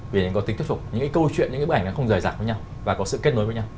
vì nó có tính thức phục những câu chuyện những bộ ảnh nó không rời rạc với nhau và có sự kết nối với nhau